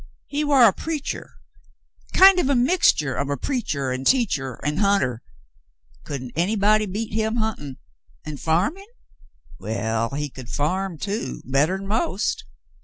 "He war a preacher — kind of a mixtur of a preacher an' teacher an' hunter. Couldn't anybody beat him huntin' — and farmin' — well he could farm, too, — better'n most.